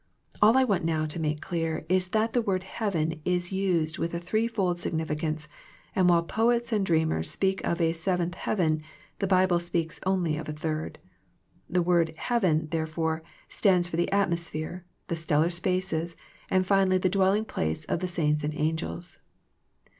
All I want now to make clear is that the word " heaven " is used with a three fold significance, and while poets and dreamers speak of a " seventh heaven," the Bible speaks only of a third. The word " heaven " therefore stands for the atmosphere, the stellar spaces, and finally the dwelling place of saints and angels.